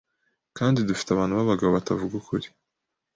kandi dufite abantu b’abagabo batavuga ukuri